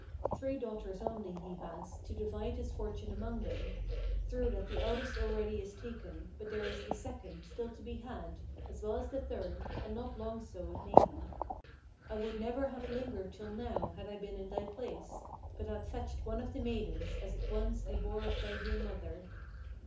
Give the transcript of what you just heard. Three daughters only he has, to divide his fortune among them. True that the eldest already is taken; but there is the second Still to be had, as well as the third; and not long so, it may be. I would never have lingered till now, had I been in thy place; But had fetched one of the maidens, as once I bore off thy dear mother."